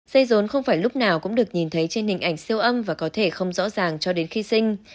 xây rốn không phải lúc nào cũng được nhìn thấy trên hình ảnh siêu âm và có thể không rõ ràng cho đến khi sinh